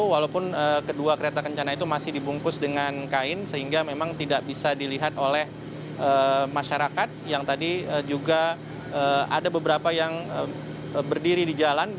walaupun kedua kereta kencana itu masih dibungkus dengan kain sehingga memang tidak bisa dilihat oleh masyarakat yang tadi juga ada beberapa yang berdiri di jalan